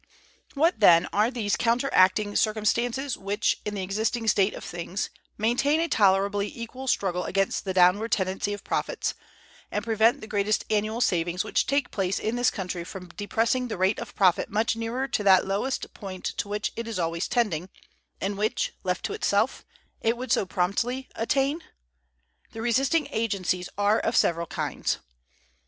What, then, are these counteracting circumstances which, in the existing state of things, maintain a tolerably equal struggle against the downward tendency of profits, and prevent the great annual savings which take place in this country from depressing the rate of profit much nearer to that lowest point to which it is always tending, and which, left to itself, it would so promptly attain? The resisting agencies are of several kinds.